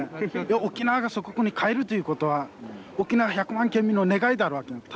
沖縄が祖国に返るということは沖縄１００万県民の願いであるわけなんです。